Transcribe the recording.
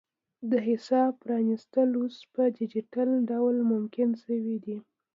د حساب پرانیستل اوس په ډیجیټل ډول ممکن شوي دي.